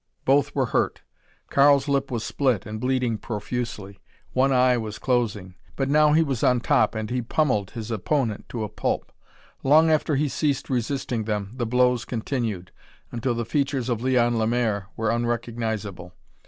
Both were hurt. Karl's lip was split, and bleeding profusely. One eye was closing. But now he was on top and he pummeled his opponent to a pulp. Long after he ceased resisting them, the blows continued until the features of Leon Lemaire were unrecognizable.